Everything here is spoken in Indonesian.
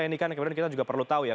ini kan kemudian kita juga perlu tahu ya